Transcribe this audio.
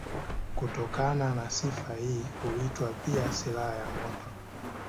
Kutokana na sifa hii huitwa pia silaha ya moto.